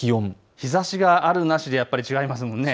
日ざしがあるなしでやっぱり違いますもんね。